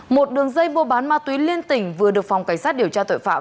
một đường dây mua bán ma túy liên tỉnh vừa được phòng cảnh sát điều tra tội phạm